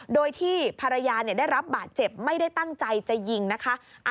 โดยที่ภรรยาได้รับบาดเจ็บไม่ได้ตั้งใจจะยิงนะคะ